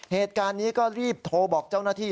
เหตุการณ์นี้ก็รีบโทรบอกเจ้าหน้าที่